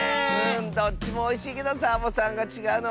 どっちもおいしいけどサボさんがちがうのわかっちゃった。